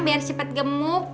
biar cepet gemuk